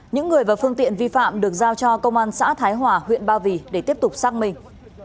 những người và phương tiện vi phạm được giao cho công an xã thái hòa huyện ba vì để tiếp tục xác minh